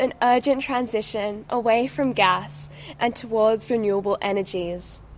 dan mendukung transisi yang cepat dari gas dan kembali ke energi yang baru